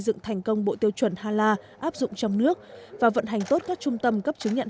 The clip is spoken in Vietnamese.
dựng thành công bộ tiêu chuẩn hala áp dụng trong nước và vận hành tốt các trung tâm cấp chứng nhận